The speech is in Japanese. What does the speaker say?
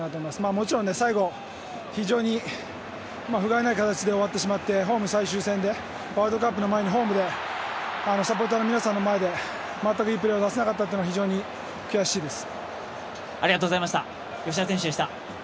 もちろん最後、非常にふがいない形で終わってしまってホーム最終戦でワールドカップの前にホームでサポーターの皆さんの前で全くいいプレーを出せなかったのは非常に悔しいです。